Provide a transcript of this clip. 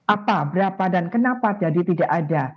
apa berapa dan kenapa jadi tidak ada